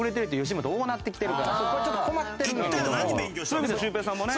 そういう意味ではシュウペイさんもね。